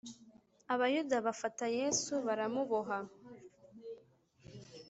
abayuda bafata yesu baramuboha.